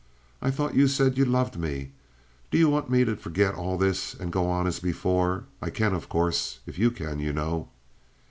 I thought you said you loved me. Do you want me to forget all this and go on as before? I can, of course, if you can, you know."